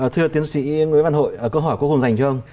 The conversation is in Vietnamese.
thưa tiến sĩ nguyễn văn hội câu hỏi cuối cùng dành cho ông